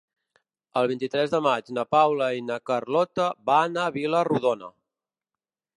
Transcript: El vint-i-tres de maig na Paula i na Carlota van a Vila-rodona.